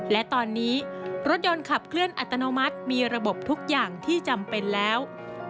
และตอนนี้รถยนต์ขับเคลื่อนอัตโนมัติมีระบบทุกอย่างที่จำเป็นแล้ว